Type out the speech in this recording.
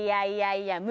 いやいや